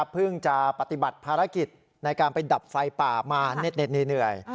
เพิ่งจะปฏิบัติภารกิจในการไปดับไฟป่ามาเน็ดเหนื่อย